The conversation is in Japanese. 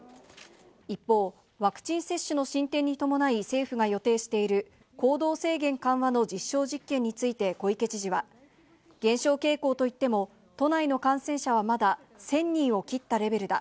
一方、ワクチン接種の進展に伴い、政府が予定している行動制限緩和の実証実験について小池知事は、減少傾向といっても、都内の感染者はまだ１０００人を切ったレベルだ。